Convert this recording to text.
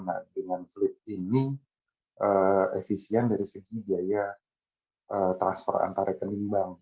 nah dengan flip ini efisien dari segi biaya transfer antar rekening bank